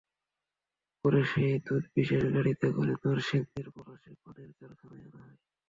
পরে সেই দুধ বিশেষ গাড়িতে করে নরসিংদীর পলাশে প্রাণের কারখানায় আনা হয়।